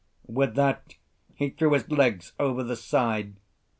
With that he threw his legs over the side.